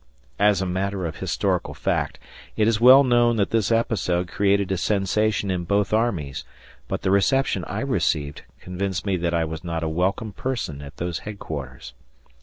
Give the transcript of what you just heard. As a matter of historical fact, it is well known that this episode created a sensation in both armies, but the reception I received convinced me that I was not a welcome person at those headquarters.